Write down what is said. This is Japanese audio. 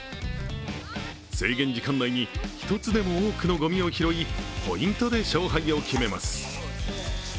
制限時間内に１つでも多くのごみを拾い、ポイントで勝敗を決めます。